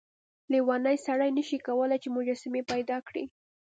لیونی سړی نشي کولای چې مجسمې پیدا کړي.